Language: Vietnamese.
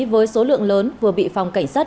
với số lượng lớn vừa bị phòng cảnh sát